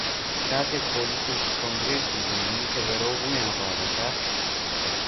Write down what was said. کاتێک پۆلیسێکی کۆنگرێسی بینی کە بەرەو ڕوویان ڕادەکات